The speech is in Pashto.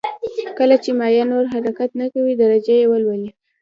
کله چې مایع نور حرکت نه کوي درجه یې ولولئ.